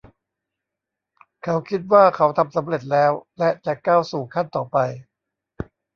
เขาคิดว่าเขาทำสำเร็จแล้ว และจะก้าวสู่ขั้นต่อไป